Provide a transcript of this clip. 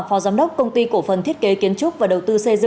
khai mạc hội nghị quốc tế